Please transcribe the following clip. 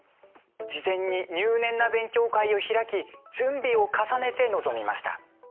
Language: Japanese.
事前に入念な勉強会を開き準備を重ねて臨みました。